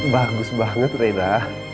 bagus banget rena